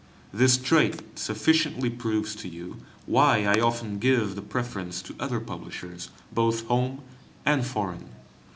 This trait sufficiently proves to you why I often give the preference to other publishers both home and foreign.